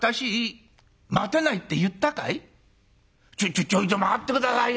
「ちょちょいと待って下さいよ。